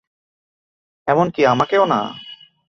এমনকি আমাকেও না।